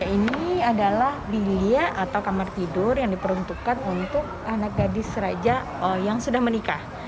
ini adalah bilia atau kamar tidur yang diperuntukkan untuk anak gadis raja yang sudah menikah